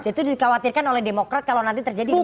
jadi itu dikhawatirkan oleh demokrat kalau nanti terjadi di makamah